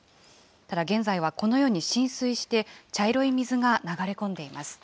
ただ現在は、このように浸水して、茶色い水が流れ込んでいます。